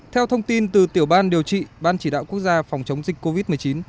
theo thông tin từ tiểu ban điều trị ban chỉ đạo quốc gia phòng chống dịch covid một mươi chín